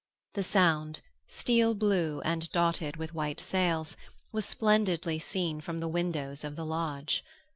The Sound, steel blue and dotted with white sails, was splendidly seen from the windows of the lodge.